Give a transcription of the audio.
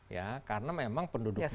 ya karena memang penduduk jawa itu